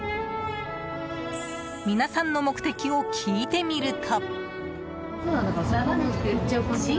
皆さんの目的を聞いてみると。